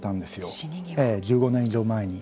１５年以上前に。